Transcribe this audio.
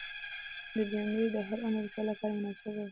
بېنډۍ د هر عمر انسان لپاره مناسبه ده